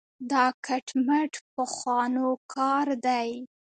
دا کټ مټ پخوانو کار دی.